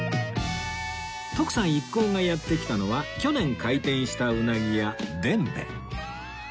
徳さん一行がやって来たのは去年開店したうなぎ屋傳米